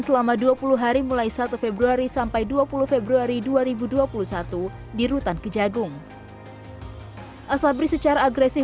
selama dua puluh hari mulai satu februari sampai dua puluh februari dua ribu dua puluh satu di rutan kejagung asabri secara agresif